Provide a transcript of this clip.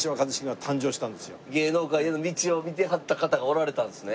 芸能界への道を見てはった方がおられたんですね。